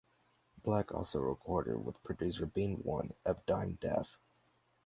Black also recorded with producer Bean One of Dyme Def.